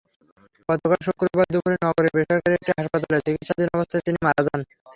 গতকাল শুক্রবার দুপুরে নগরের বেসরকারি একটি হাসপাতালে চিকিৎসাধীন অবস্থায় তিনি মারা যান।